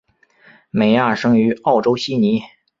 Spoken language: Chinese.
美亚生于澳洲悉尼。